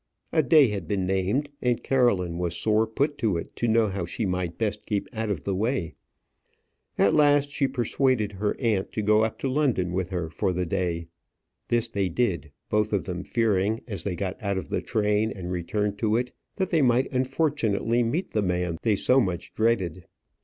A day had been named, and Caroline was sore put to it to know how she might best keep out of the way. At last she persuaded her aunt to go up to London with her for the day. This they did, both of them fearing, as they got out of the train and returned to it, that they might unfortunately meet the man they so much dreaded.